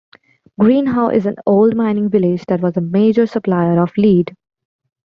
Greenhow is an old mining village that was a major supplier of lead.